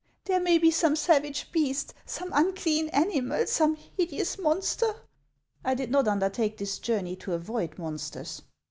" There may be some savage beast, some unclean animal, some hideous monster —"" I did not undertake this journey to avoid monsters."